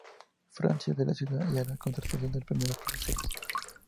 Francia de la ciudad, y a la contratación de las primeras profesoras.